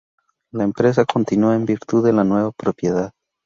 La empresa continúa en virtud de la nueva propiedad.